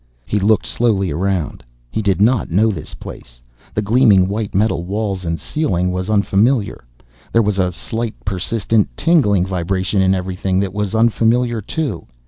He looked slowly around. He did not know this place. The gleaming white metal of walls and ceiling was unfamiliar. There was a slight, persistent tingling vibration in everything that was unfamiliar, too.